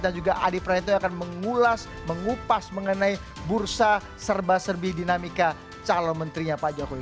dan juga adi prahinto yang akan mengulas mengupas mengenai bursa serba serbi dinamika calon menterinya pak jokowi